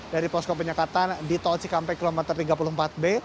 dari posko penyekatan di tolcikampi km tiga puluh empat b